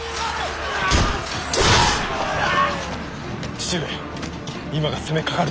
父上今が攻めかかる時！